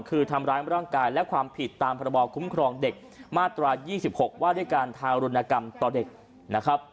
คือทำร้ายร่างกายและความผิดตามพรบคุ้มครองเด็กมาตรา๒๖ว่าด้วยการทารุณกรรมต่อเด็กนะครับ